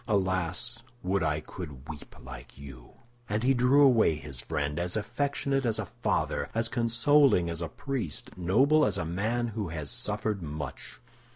Alas, would I could weep like you!" And he drew away his friend, as affectionate as a father, as consoling as a priest, noble as a man who has suffered much.